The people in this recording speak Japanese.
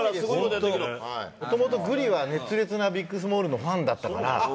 もともとグリは熱烈なビックスモールンのファンだったから。